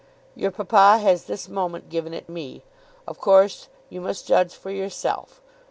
"Your papa has this moment given it me. Of course you must judge for yourself."